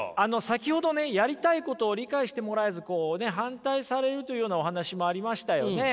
先ほどやりたいことを理解してもらえず反対されるというようなお話もありましたよね。